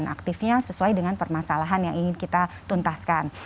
dan bahan aktifnya sesuai dengan permasalahan yang ingin kita tuntaskan